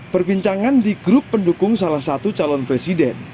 perbincangan di grup pendukung salah satu calon presiden